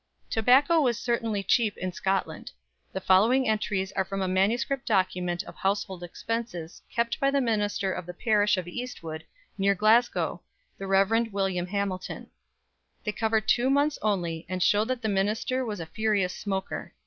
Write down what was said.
Tobacco was certainly cheap in Scotland. The following entries are from a MS. account of household expenses kept by the minister of the parish of Eastwood, near Glasgow, the Rev. William Hamilton. They cover two months only and show that the minister was a furious smoker.